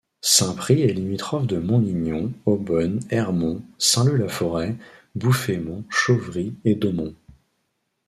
Saint-Prix est limitrophe de Montlignon, Eaubonne, Ermont, Saint-Leu-la-Forêt, Bouffémont, Chauvry et Domont.